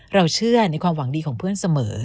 เราเชื่อในความหวังดีของเพื่อนเสมอ